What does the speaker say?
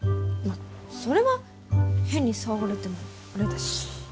それは、変に騒がれてもあれだし。